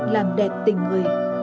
làm đẹp tình người